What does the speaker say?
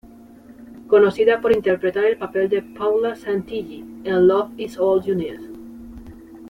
Conocida por interpretar el papel de Paula Santilli en "Love is all you need?